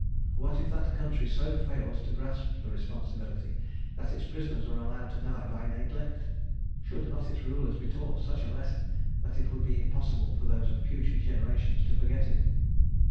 What if that country so fails to grasp the responsibility that its prisoners are allowed to die by neglect? Should not its rulers be taught such a lesson that it would be impossible for those of future generations to forget it?